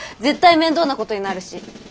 絶対面倒なことになるし。